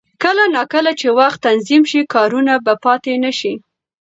کله نا کله چې وخت تنظیم شي، کارونه به پاتې نه شي.